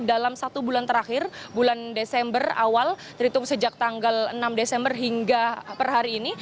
dalam satu bulan terakhir bulan desember awal terhitung sejak tanggal enam desember hingga per hari ini